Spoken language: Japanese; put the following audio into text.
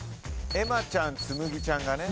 えまちゃんつむぎちゃんがね。